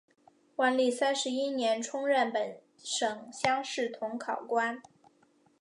万历三十一年充任本省乡试同考官。